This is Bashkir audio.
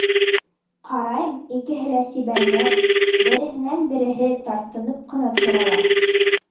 Ҡарайым, икеһе лә сибәрҙәр, береһенән-береһе тартынып ҡына торалар.